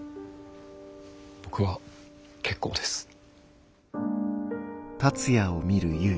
僕は結構です。